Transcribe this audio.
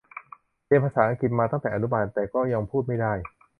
เรียนภาษาอังกฤษมาตั้งแต่อนุบาลแต่ก็ยังพูดไม่ได้